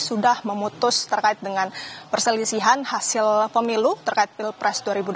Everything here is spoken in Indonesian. sudah memutus terkait dengan perselisihan hasil pemilu terkait pilpres dua ribu dua puluh